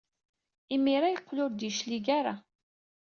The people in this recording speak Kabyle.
Imir-a, yeqqel ur d-yeclig ara.